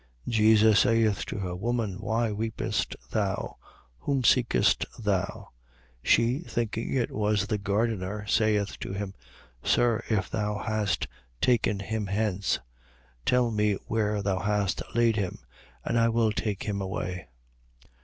20:15. Jesus saith to her: Woman, why weepest thou? Whom seekest thou? She, thinking that it was the gardener, saith to him: Sir, if thou hast taken him hence, tell me where thou hast laid him: and I will take him away.